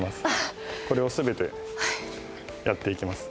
これをすべてやっていきます。